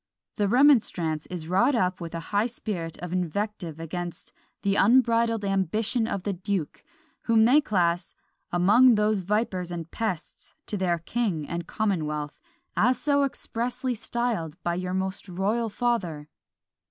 The remonstrance is wrought up with a high spirit of invective against "the unbridled ambition of the duke," whom they class "among those vipers and pests to their king and commonwealth, as so expressly styled by your most royal father."